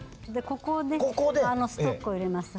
ここでストックを入れます。